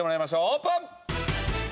オープン！